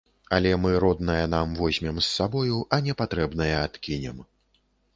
Але мы роднае нам возьмем з сабою, а непатрэбнае адкінем.